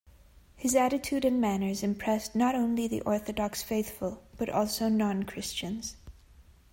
His attitude and manners impressed not only the Orthodox faithful but also non-Christians.